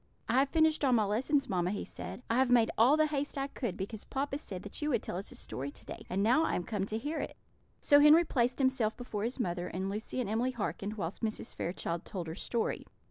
"I have finished all my lessons, mamma," he said. "I have made all the haste I could because papa said that you would tell us a story to day; and now I am come to hear it." So Henry placed himself before his mother, and Lucy and Emily hearkened, whilst Mrs. Fairchild told her story.